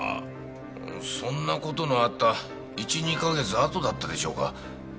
そんな事のあった１２か月あとだったでしょうか。